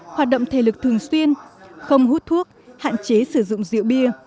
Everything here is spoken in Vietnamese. hoạt động thể lực thường xuyên không hút thuốc hạn chế sử dụng rượu bia